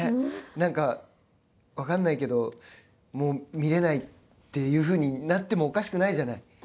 なんか分からないけどもう見れないっていうふうになってもおかしくないじゃない？